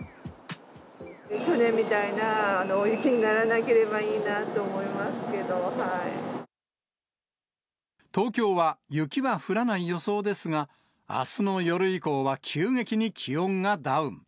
去年みたいな大雪にならなけ東京は、雪は降らない予想ですが、あすの夜以降は急激に気温がダウン。